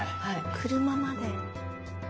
車まで。